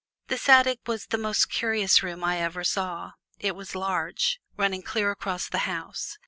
This attic was the most curious room I ever saw. It was large running clear across the house.